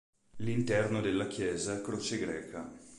L'interno della chiesa è a croce greca.